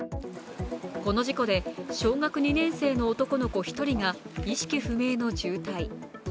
この事故で小学２年生の男の子１人が意識不明の重体。